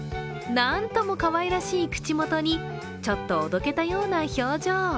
なんともかわいらしい口元にちょっとおどけたような表情。